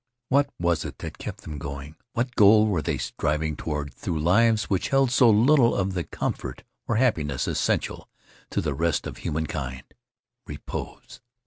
What was it that kept them going? What goal were they striving toward through lives which held so little of the com fort or happiness essential to the rest of humankind? Repose?